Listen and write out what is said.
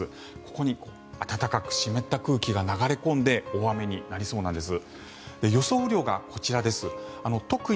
ここに暖かく湿った空気が流れ込んで大雨になりそうなんです。